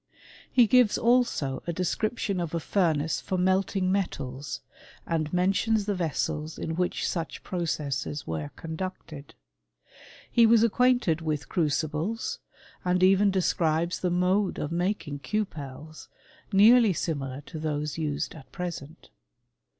He gives also a description of a furnace for melting metals, and mentions the vessels in which such pro« cesses were conducted. He was acquainted with era* cibles ; and even describes the mode of making cupetei nearly similar to those used at present.